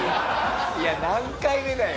「いや何回目だよ！」